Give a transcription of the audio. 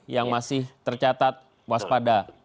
yang masih tercatat waspada